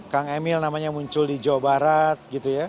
kang emil namanya muncul di jawa barat